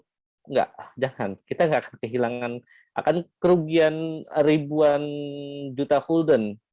tidak jangan kita nggak akan kehilangan akan kerugian ribuan juta holden